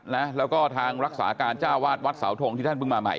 นะแล้วก็ทางรักษาการเจ้าวาดวัดเสาทงที่ท่านเพิ่งมาใหม่